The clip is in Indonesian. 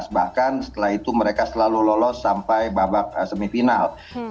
bahkan setelah itu mereka selalu lolos sampai babak semifinal